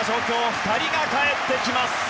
２人がかえってきます。